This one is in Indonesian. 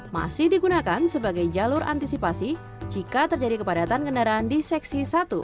masih digunakan sebagai jalur antisipasi jika terjadi kepadatan kendaraan di seksi satu